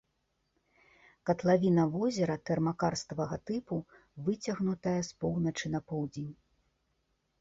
Катлавіна возера тэрмакарставага тыпу, выцягнутая з поўначы на поўдзень.